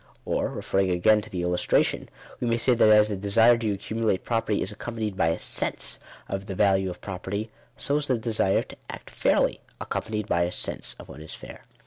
Or, referring again to the illustration, we may say that as the desire to ac cumulate property is accompanied by a sense of the value of property, so is the desire to act fairly, accompanied by a sense of what is fair.